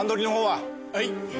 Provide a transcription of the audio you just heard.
はい。